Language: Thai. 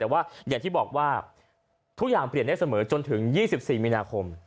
แต่ว่าอย่างที่บอกว่าทุกอย่างเปลี่ยนได้เสมอจนถึง๒๔มีนาคม